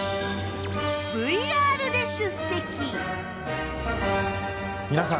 ＶＲ で出席